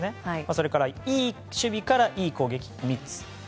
それから、いい守備からいい攻撃３つ。